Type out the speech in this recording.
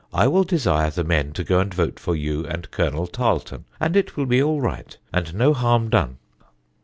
I will desire the men to go and vote for you and Colonel Tarleton, and it will all be right, and no harm done.